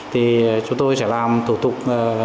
thì chúng tôi sẽ làm các thủ tục